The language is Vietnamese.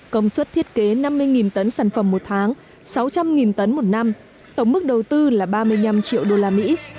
công suất thiết kế năm mươi tấn sản phẩm một tháng sáu trăm linh tấn một năm tổng mức đầu tư là ba mươi năm triệu đô la mỹ